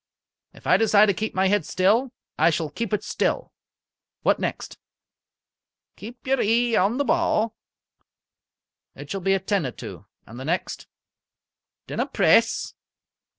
"If I decide to keep my head still, I shall keep it still. What next?" "Keep yer ee on the ba'." "It shall be attended to. And the next?" "Dinna press."